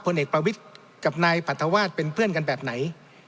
เอกประวิทย์กับนายปรัฐวาสเป็นเพื่อนกันแบบไหน